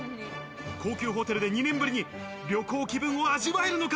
高級ホテルで２年ぶりに旅行気分を味わえるのか？